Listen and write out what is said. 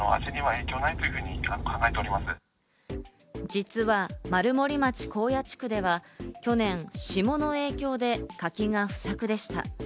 実は丸森町耕野地区では去年、霜の影響で柿が不作でした。